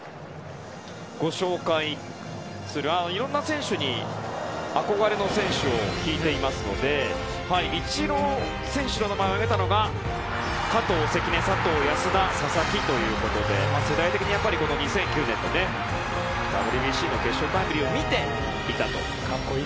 いろんな選手に憧れの選手を聞いていますのでイチロー選手の名前を挙げたのが加藤、関根、佐藤、安田佐々木ということで世代的に２００９年のＷＢＣの決勝タイムリーを見ていたと。